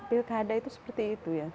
pilkada itu seperti itu ya